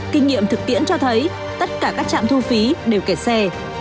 điểm thực tiễn cho thấy tất cả các trạm thu phí đều kẹt xe